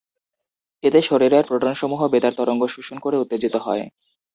এতে শরীরের প্রোটনসমূহ বেতার তরঙ্গ শোষণ করে উত্তেজিত হয়।